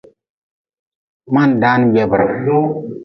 Ma-n daan jebre.